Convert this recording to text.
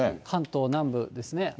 関東南部ですね。